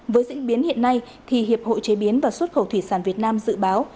với diễn biến hiện nay hiệp hội chế biến và xuất khẩu thủy sản việt nam dự báo